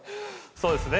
そうですね